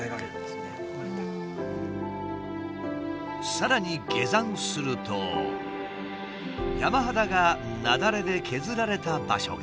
さらに下山すると山肌が雪崩で削られた場所が。